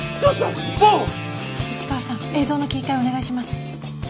市川さん映像の切り替えお願いします。